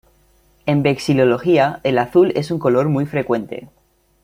En vexilología, el azul es un color muy frecuente.